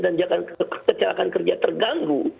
dan kecelakaan kerja terganggu